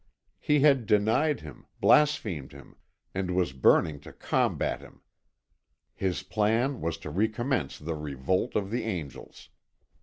He had denied Him, blasphemed Him, and was burning to combat Him. His plan was to recommence the revolt of the angels.